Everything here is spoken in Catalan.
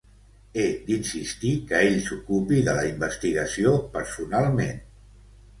He d'insistir que ell s'ocupi de la investigació personalment.